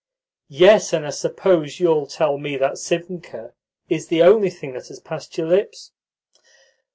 "Yes, and I suppose you'll tell me that sivnkha is the only thing that has passed your lips?